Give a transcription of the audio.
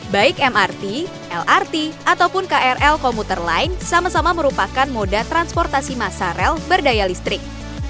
baik mrt lrt ataupun krl komuter lain sama sama merupakan moda transportasi masal berdaya listrik